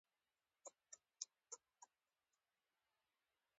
هغه وویل چې دا تا څه وکړل.